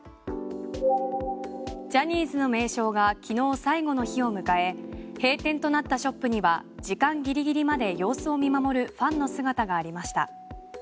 ジャニーズの名称が昨日最後の日を迎え閉店となったショップには時間ギリギリまで様子を見守るファンの姿がありました。